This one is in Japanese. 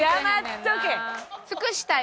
尽くしたい？